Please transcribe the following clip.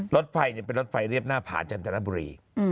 รถไฟเป็นรถไฟเรียบหน้าผาจันทบุรี